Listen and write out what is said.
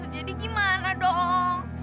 jadi gimana dong